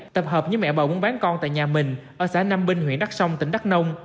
tập hợp với mẹ bà muốn bán con tại nhà mình ở xã nam binh huyện đắc sông tỉnh đắc nông